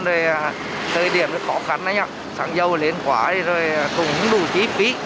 thời điểm nó khó khăn đấy nhá sáng dâu lên khóa rồi cũng không đủ chi phí